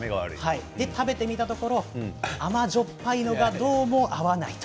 食べてみたところ甘じょっぱいのがどうも合わないと。